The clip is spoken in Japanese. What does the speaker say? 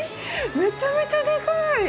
めちゃめちゃでかーい。